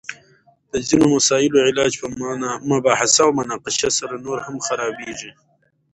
د ځینو مسائلو علاج په مباحثه او مناقشه سره نور هم خرابیږي!